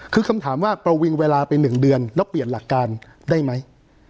คือคำถามว่าประวิงเวลาไป๑เดือนแล้วเปลี่ยนหลักการได้ไหม